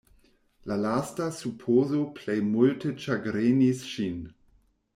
La lasta supozo plej multe ĉagrenis ŝin.